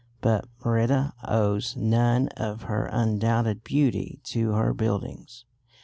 But Merida owes none of her undoubted beauty to her buildings.